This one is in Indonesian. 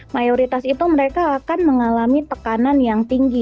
mayoritas itu mereka akan mengalami tekanan yang tinggi